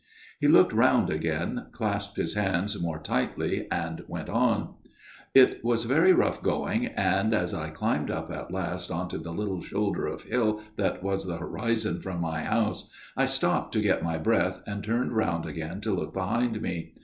He looked round again, clasped his hands more tightly and went on. " It was very rough going, and as I climbed up at last on to the little shoulder of hill that was the horizon from my house, I stopped to get my breath and turned round again to look behind me.